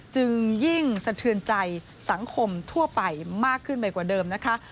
จึงยิ่งสะเทือนใจสังคมทั่วไปมากขึ้นไปกว่าเดิมนะคะ